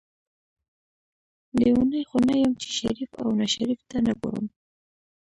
لیونۍ خو نه یم چې شریف او ناشریف ته نه ګورم.